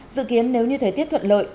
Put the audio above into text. dự kiến nếu như thời tiết thuận lợi